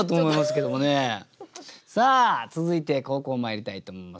さあ続いて後攻まいりたいと思います。